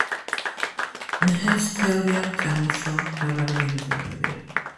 მეჰენის თეორიამ წარმოშვა მრავალი მიმდევარი.